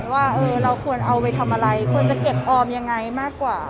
ว่าเราควรเอาไปทำอะไรควรจะเก็บออมยังไงมากกว่า